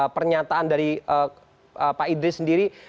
pernyataan dari pak idris sendiri